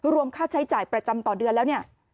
รวมค่าใช้จ่ายประจำต่อเดือนแล้วเนี่ย